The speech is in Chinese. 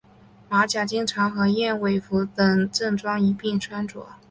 马甲经常和燕尾服等正装一并穿着。